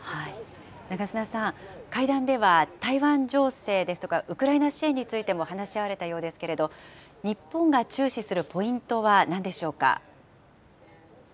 長砂さん、会談では台湾情勢ですとか、ウクライナ支援についても話し合われたようですけれども、日本が注視するポイントはな